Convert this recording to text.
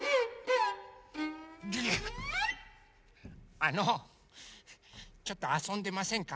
あのちょっとあそんでませんか？